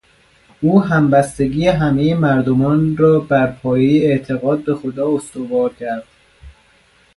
او همبستگی همهی مردمان را بر پایهی اعتقاد به خدا استوار کرد.